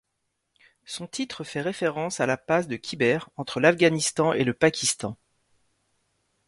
Son titre fait référence à la passe de Khyber, entre l'Afghanistan et le Pakistan.